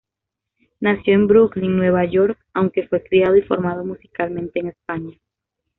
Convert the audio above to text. Nació en Brooklyn, Nueva York, aunque fue criado y formado musicalmente en España.